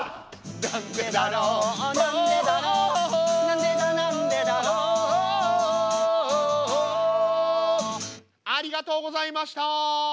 なんでだろうなんでだろうなんでだなんでだろうありがとうございました。